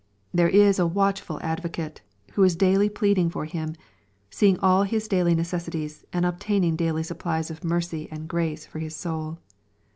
There is a watchful Advocate, who is daily pleading for him, seeing all his daily necessities, and obtaining daily supplies of mercy and grace for his soul.